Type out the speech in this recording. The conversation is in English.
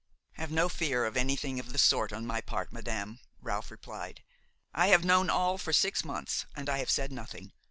"Have no fear of anything of the sort on my part, madame," Ralph replied; "I have known all for six months and I have said nothing.